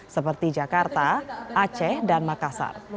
seperti jakarta aceh dan makassar